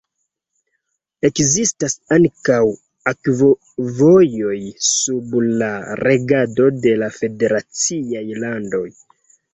Ekzistas ankaŭ akvovojoj sub la regado de la federaciaj landoj.